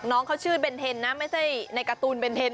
น้องเขาชื่อเบนเทนนะไม่ใช่ในการ์ตูนเบนเทน